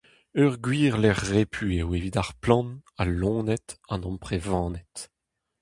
Ur gwir lec'h repu eo evit ar plant, al loened, an amprevaned.